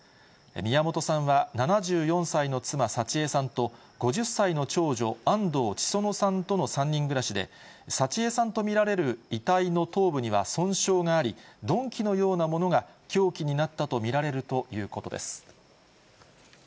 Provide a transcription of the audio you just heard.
宮本さんは、７４歳の妻、幸枝さんと、５０歳の長女、安藤千園さんとの３人暮らしで、幸枝さんと見られる遺体の頭部には、損傷があり、鈍器のようなものが凶器になったと見られるということです。